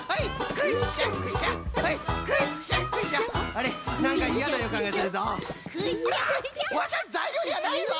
あワシはざいりょうじゃないぞ！